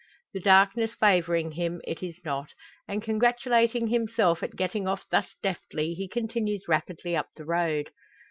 The darkness favouring him, it is not; and congratulating himself at getting off thus deftly, he continues rapidly up the road.